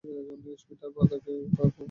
Peter পার্কারকে খুঁজে বের করো।